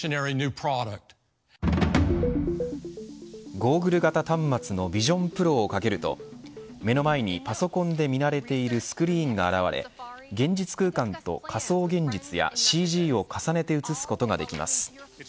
ゴーグル型端末のビジョンプロをかけると目の前にパソコンで見慣れているスクリーンが現れ現実空間と仮想現実やＣＧを重ねて映すことができます。